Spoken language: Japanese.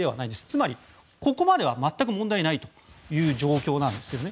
つまり、ここまでは全く問題ではないという状況なんですね。